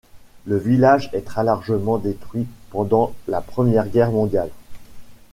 Le village est très largement détruit pendant la Première Guerre mondiale.